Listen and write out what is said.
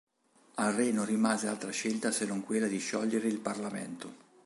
Al re non rimase altra scelta se non quella di sciogliere il Parlamento.